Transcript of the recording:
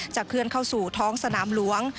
เคลื่อนเข้าสู่ท้องสนามหลวง